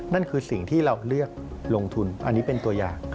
นั่นคือสิ่งที่เราเลือกลงทุนอันนี้เป็นตัวอย่าง